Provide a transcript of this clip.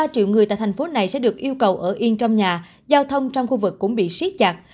ba triệu người tại thành phố này sẽ được yêu cầu ở yên trong nhà giao thông trong khu vực cũng bị siết chặt